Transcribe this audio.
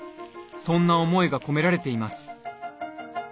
そんな思いが込められています。